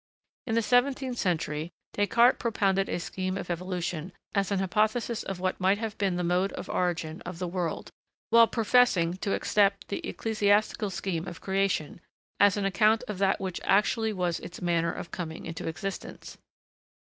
In the seventeenth century, Descartes propounded a scheme of evolution, as an hypothesis of what might have been the mode of origin of the world, while professing to accept the ecclesiastical scheme of creation, as an account of that which actually was its manner of coming into existence.